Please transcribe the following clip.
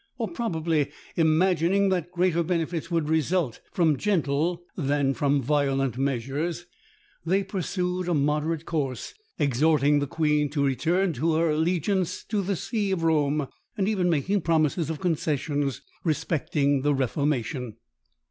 or, probably imagining that greater benefits would result from gentle than from violent measures, they pursued a moderate course, exhorting the queen to return to her allegiance to the see of Rome, and even making promises of concessions respecting the reformation.